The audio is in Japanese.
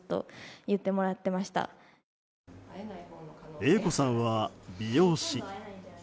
英子さんは美容師。